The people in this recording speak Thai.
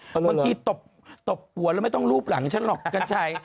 บางทีตบหัวแล้วไม่ต้องรูปหลังฉันหรอกกัญชัย